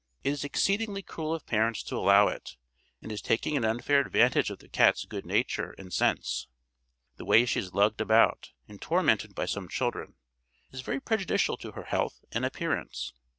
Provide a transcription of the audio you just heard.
It is exceedingly cruel of parents to allow it, and is taking an unfair advantage of the cat's good nature and sense. The way she is lugged about, and tormented by some children, is very prejudicial to her health and appearance.